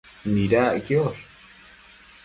Nidac quiosh